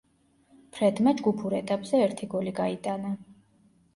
ფრედმა ჯგუფურ ეტაპზე ერთი გოლი გაიტანა.